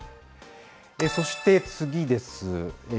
そして次です。